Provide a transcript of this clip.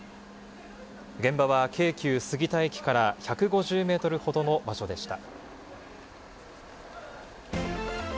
現場は京急杉田駅から１５０メートルほどの場所でした。